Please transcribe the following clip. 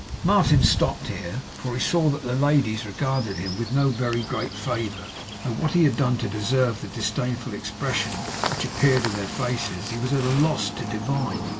Martin stopped here, for he saw that the ladies regarded him with no very great favour, though what he had done to deserve the disdainful expression which appeared in their faces he was at a loss to divine.